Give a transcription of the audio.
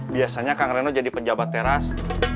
biasanya kang reno jadi pejabat teras